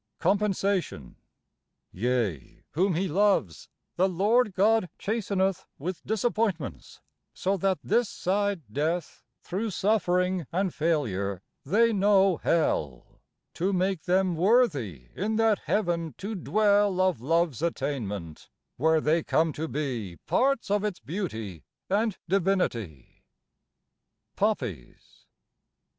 COMPENSATION. Yea, whom He loves the Lord God chasteneth With disappointments, so that this side death, Through suffering and failure, they know Hell To make them worthy in that Heaven to dwell Of Love's attainment, where they come to be Parts of its beauty and divinity. POPPIES.